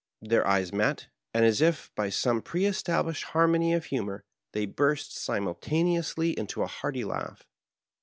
Their eyes met, and, as if by some pre established harmony of hu mor, they burst simultaneously into a hearty laugh.